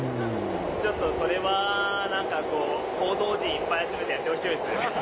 ちょっとそれはなんか、報道陣、いっぱい集めてやってほしいですね。